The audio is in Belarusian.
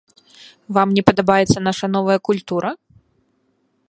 Вам не падабаецца наша новая культура?